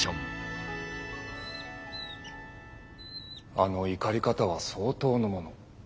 あの怒り方は相当のもの。